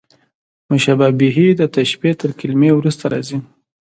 مشبه به، د تشبېه تر کلمې وروسته راځي.